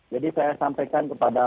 jadi saya sampaikan kepada